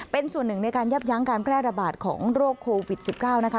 เป็นส่วนหนึ่งในการยับยั้งการแพร่ระบาดของโรคโควิด๑๙นะคะ